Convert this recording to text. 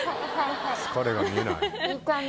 疲れが見えない。